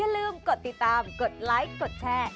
อย่าลืมกดติดตามกดไลค์กดแชร์